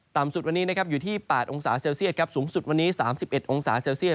ต่ำสุดวันนี้นะครับอยู่ที่๘องศาเซลเซียตสูงสุดวันนี้๓๑องศาเซลเซียต